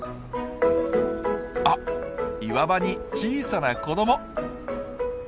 あっ岩場に小さな子ども！